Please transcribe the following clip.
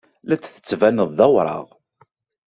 La d-tettbaneḍ d awraɣ.